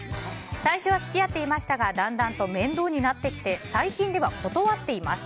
最初は付き合っていましたがだんだんと面倒になってきて最近では断っています。